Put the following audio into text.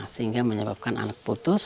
sehingga menyebabkan anak putus